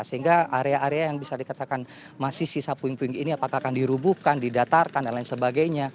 sehingga area area yang bisa dikatakan masih sisa puing puing ini apakah akan dirubuhkan didatarkan dan lain sebagainya